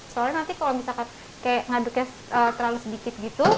soalnya nanti kalau misalkan kayak ngaduknya terlalu sedikit gitu